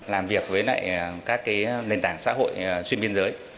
làm việc với các nền tảng xã hội xuyên biên giới